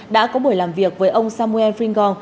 đã có buổi làm việc với ông samuel fringon